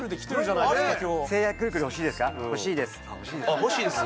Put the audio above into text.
あっ「欲しいです」？